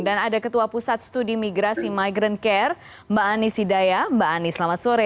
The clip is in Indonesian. dan ada ketua pusat studi migrasi migrant care mbak anis hidayah mbak anis selamat sore